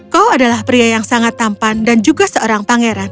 kau adalah pria yang sangat tampan dan juga seorang pangeran